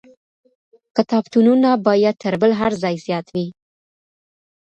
کتابتونونه بايد تر بل هر ځای زيات وي.